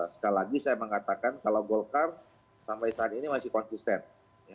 sekali lagi saya mengatakan kalau golkar sampai saat ini masih konsisten